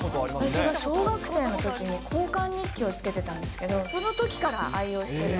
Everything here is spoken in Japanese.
私が小学生のときに交換日記をつけてたんですけど、そのときから愛用してる。